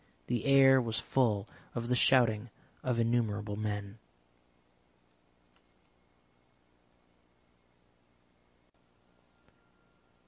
The air was full of the shouting of innumerable men.